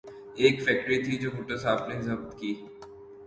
ایک فیکٹری تھی جو بھٹو صاحب نے ضبط کی۔